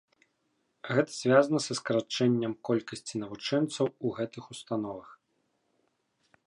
Гэта звязана са скарачэнням колькасці навучэнцаў у гэтых установах.